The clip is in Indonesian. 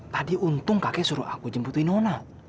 tadi untung kakek suruh aku jemputin nona